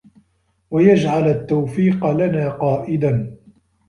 وَيَجْعَلَ التَّوْفِيقَ لَنَا قَائِدًا